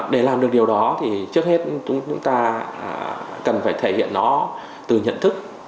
để làm được điều đó thì trước hết chúng ta cần phải thể hiện nó từ nhận thức